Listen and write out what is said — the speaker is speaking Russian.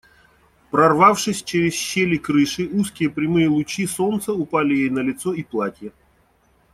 Прорвавшись через щели крыши, узкие прямые лучи солнца упали ей на лицо и платье.